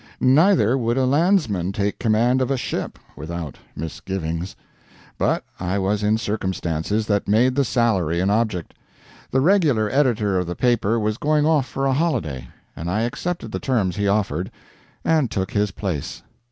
Neither would a landsman take command of a ship without misgivings. But I was in circumstances that made the salary an object. The regular editor of the paper was going off for a holiday, and I accepted the terms he offered, and took his place.